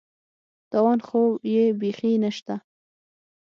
تاوان خو یې بېخي نشته.